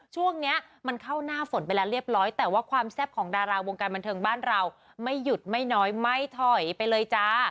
ช่วงนี้มันเข้าหน้าฝนไปแล้วเรียบร้อยแต่ว่าความแซ่บของดาราวงการบันเทิงบ้านเราไม่หยุดไม่น้อยไม่ถอยไปเลยจ้า